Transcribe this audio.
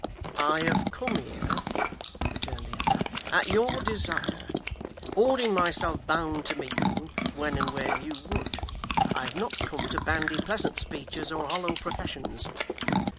'I have come here,' returned the other, 'at your desire, holding myself bound to meet you, when and where you would. I have not come to bandy pleasant speeches, or hollow professions.